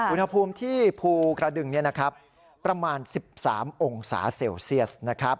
อุณหภูมิที่ภูกระดึงประมาณ๑๓องศาเซลเซียสนะครับ